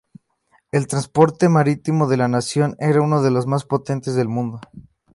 El transporte marítimo de la nación era uno de los más potentes del mundo.